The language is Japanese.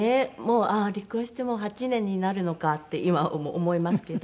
ああ離婚してもう８年になるのかって今思いますけど。